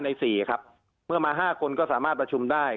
ใน๔ครับเมื่อมา๕คนก็สามารถประชุมได้